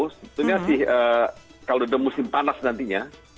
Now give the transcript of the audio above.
sebetulnya sih kalau udah musim panas nantinya